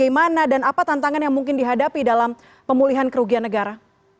bagaimana dan apa tantangan yang mungkin dihadapi dalam pemulihan kerugian negara